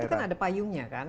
itu kan ada payungnya kan